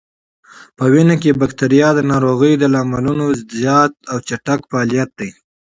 په وینه کې بکتریا د ناروغیو د لاملونو زیات او چټک فعالیت دی.